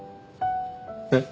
えっ？